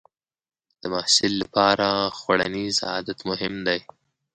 د محصل لپاره خوړنیز عادت مهم دی.